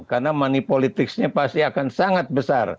karena money politicsnya pasti akan sangat besar